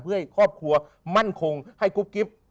เพื่อให้ครอบครัวมั่นคงให้กุ๊บกิ๊บ